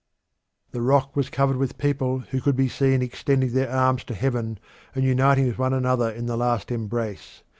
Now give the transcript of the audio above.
The rock was covered with people, who could be seen extending their arms to heaven and uniting with one another in the last embrace.